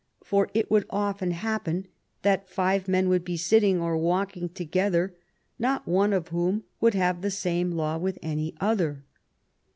For it would often happen that five men would be sitting or walking together, not one of whom would have the same law with any other."